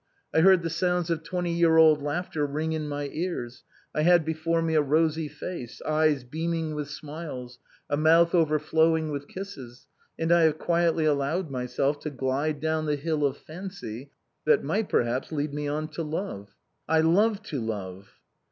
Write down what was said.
I heard the sounds of twenty year old laughter ring in my ears, I had before me a rosy face, eyes beaming with smiles, a mouth overflowing with kisses, and I have quietly allowed myself to glide down the hill of fancy that might perhaps lead me on to love. I love to love."